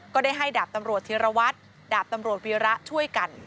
ก็ได้ให้ดาบตำรวจธีรวัตรดาบตำรวจวีระช่วยกัน